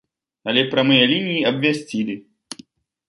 Але прамыя лініі абвясцілі.